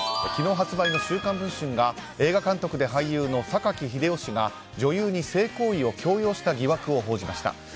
昨日発売の「週刊文春」が映画監督で俳優の榊英雄氏が女優に性行為を強要した疑惑を報じました。